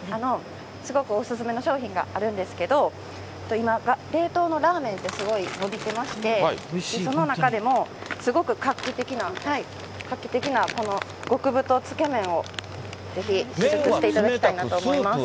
すごくお勧めの商品があるんですけど、今、冷凍のラーメンってすごい伸びてまして、その中でもすごく画期的な、この極太つけ麺をぜひ、試食していただきたいなと思います。